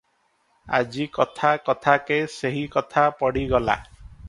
ଆଜି କଥା କଥାକେ ସେହି କଥା ପଡ଼ିଗଲା ।